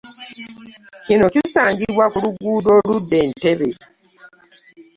Kino kisangibwa ku luguudo oludda e Ntebe.